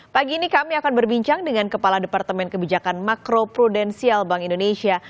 pagi ini kami akan berbincang dengan kepala departemen kebijakan makro prudensial bank indonesia